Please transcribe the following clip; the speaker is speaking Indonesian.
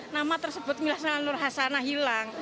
nama tersebut nur hasanah hilang